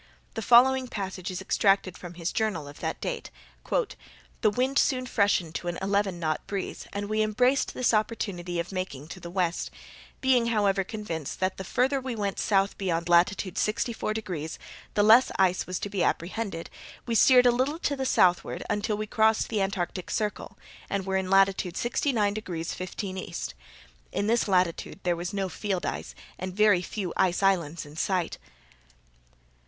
The following passage is extracted from his journal of that date. "The wind soon freshened to an eleven knot breeze, and we embraced this opportunity of making to the west; being however convinced that the farther we went south beyond latitude sixty four degrees, the less ice was to be apprehended, we steered a little to the southward, until we crossed the Antarctic circle, and were in latitude 69 degrees 15' E. In this latitude there was no field ice, and very few ice islands in sight."